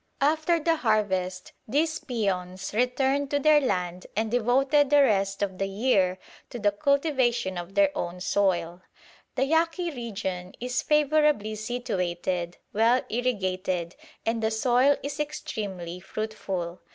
After the harvest these peones returned to their land and devoted the rest of the year to the cultivation of their own soil. "The Yaqui region is favourably situated, well irrigated, and the soil is extremely fruitful.